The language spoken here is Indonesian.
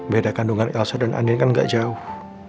beda kandungan elsa dan andin kan gak jauh